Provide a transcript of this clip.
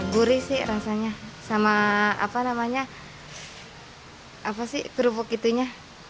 gurih sih rasanya sama apa namanya kerupuk itunya